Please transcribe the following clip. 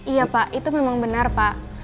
iya pak itu memang benar pak